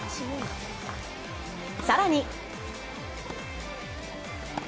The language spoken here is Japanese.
更に。